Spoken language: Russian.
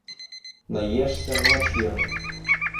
Наешься ночью.